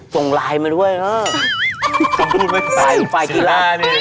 ขวายกีฬาขวายกีฬายนี้